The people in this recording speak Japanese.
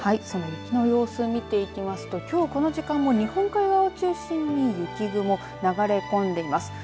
その雪の様子、見ていきますときょうこの時間も日本海側を中心に雪雲流れ込んでいます。